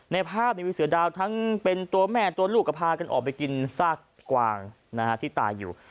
ในภาพมีเสือดาวทั้งเป็นตัวแม่ตัวลูกก็พากันออกไปกินซากกวางที่ตายอยู่